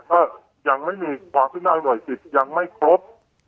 ก็ยังไม่มีความพึ่งน้อยหน่วยจิตยังไม่ครบ